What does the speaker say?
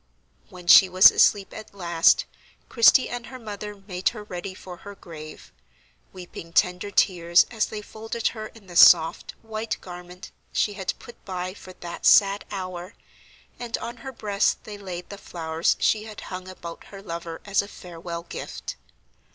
When she was asleep at last, Christie and her mother made her ready for her grave; weeping tender tears as they folded her in the soft, white garment she had put by for that sad hour; and on her breast they laid the flowers she had hung about her lover as a farewell gift.